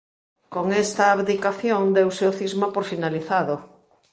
Con esta abdicación deuse o Cisma por finalizado.